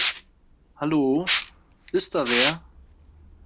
Hallo, ist da wer?